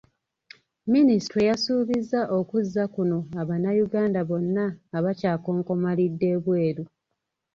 Minisitule yasuubizza okuzza kuno Abanayuganda bonna abakyakonkomalidde ebweru.